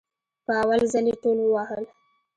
په اول ځل يي ټول ووهل